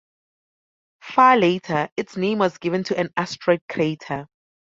Far later, its name was given to an asteroid crater.